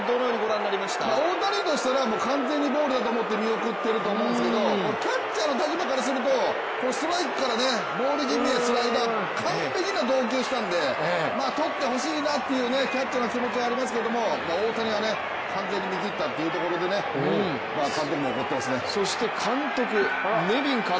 大谷としては完全にボールだと思って見送っているんですけどキャッチャーの立場からするとストライクからボール気味なスライダー完璧な投球をしたのでとってほしいなというキャッチャーの気持ちはありますけど大谷は、完全に見切ったというところで監督も怒ってますね。